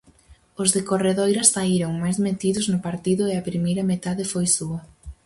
Os de Corredoira saíron máis metidos no partido e a primeira metade foi súa.